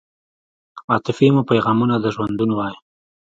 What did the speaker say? عاطفې مو پیغامونه د ژوندون وای